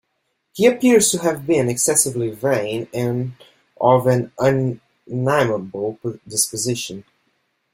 He appears to have been excessively vain and of an unamiable disposition.